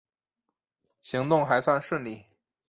行动还算顺利